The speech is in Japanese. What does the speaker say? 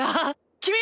君！